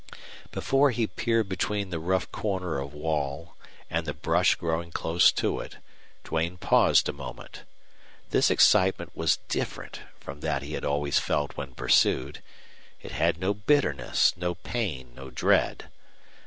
Before he peered between the rough corner of wall and the bush growing close to it Duane paused a moment. This excitement was different from that he had always felt when pursued. It had no bitterness, no pain, no dread.